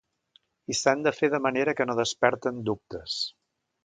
I s’han de fer de manera que no desperten dubtes.